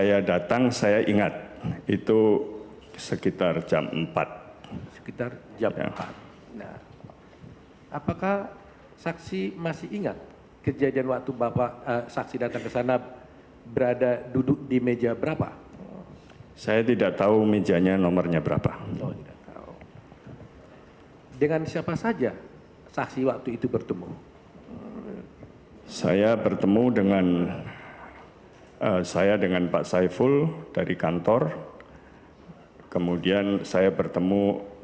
ada yang datang terlebih dahulu